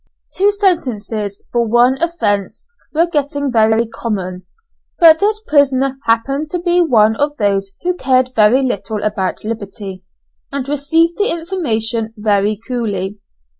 Two sentences for one offence were getting very common, but this prisoner happened to be one of those who cared very little about liberty, and received the information very coolly.